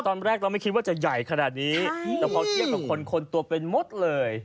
ตอนแรกเราไม่คิดว่าจะใหญ่ขนาดนี้แต่พอเทียบกับคนคนตัวเป็นมดเลย